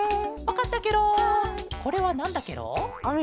これはなんだケロ？